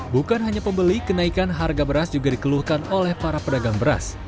bukan hanya pembeli kenaikan harga beras juga dikeluhkan oleh para pedagang beras